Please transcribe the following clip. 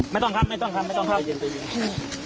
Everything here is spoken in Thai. ไม่ต้องครับไม่ต้องครับไม่ต้องครับ